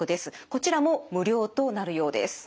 こちらも無料となるようです。